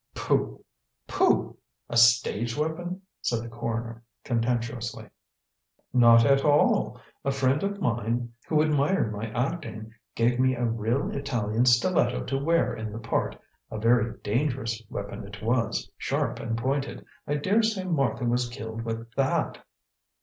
"Pooh! Pooh! A stage weapon!" said the coroner contemptuously. "Not at all; not at all! A friend of mine, who admired my acting, gave me a real Italian stiletto to wear in the part: a very dangerous weapon it was, sharp and pointed. I daresay Martha was killed with that."